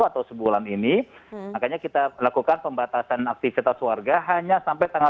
atau sebulan ini makanya kita lakukan pembatasan aktivitas warga hanya sampai tanggal